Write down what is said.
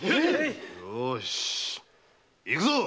ようし行くぞ！